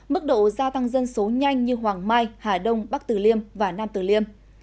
mức độ gia tăng dân số nhanh như hoàng mai hà đông bắc tử liêm và nam tử liêm